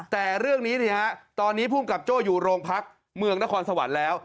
แต่เรื่องนี้ตอนนี้ภูมิกับโจ้อยู่โรงพักเมืองนครสวรรค์แล้ว